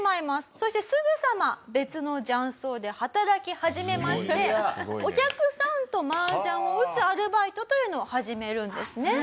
そしてすぐさま別の雀荘で働き始めましてお客さんと麻雀を打つアルバイトというのを始めるんですね。